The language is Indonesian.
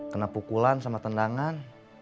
kena pukulan sama tendangan